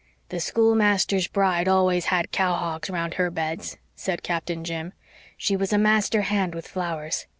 "The schoolmaster's bride always had cowhawks round her beds," said Captain Jim. "She was a master hand with flowers.